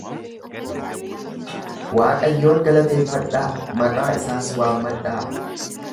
Waaqayyoon galateeffadhaa, maqaa isaas waammadhaa.